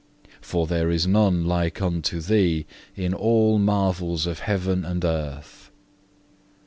For there is none like unto Thee in all marvels of heaven and earth.